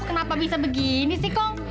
kong kenapa bisa begini sih kong